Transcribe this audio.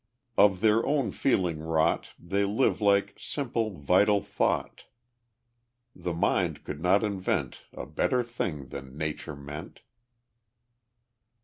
Of their own feeling wrought, They live like simple, vital thought; The mind could not invent A better thing than Nature meant.